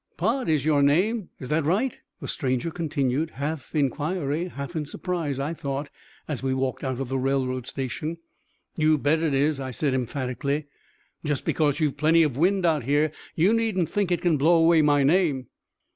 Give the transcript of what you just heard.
"Pod is your name, all right;" the stranger continued, half in inquiry, half in surprise, I thought, as we walked out of the railroad station. "You bet it is," I said, emphatically. "Just because you've plenty of wind out here you needn't think it can blow away my name."